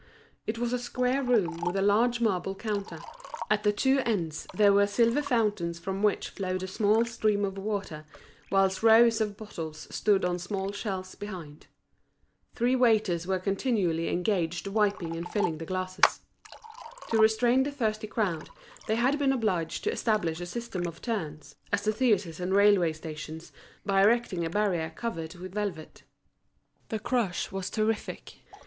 It was a square room with a large marble counter; at the two ends there were silvered fountains from which flowed a small stream of water; whilst rows of bottles stood on small shelves behind. Three waiters were continually engaged wiping and filling the glasses. To restrain the thirsty crowd, they had been obliged to establish a system of turns, as at theatres and railway stations, by erecting a barrier covered with velvet. The crush was terrific.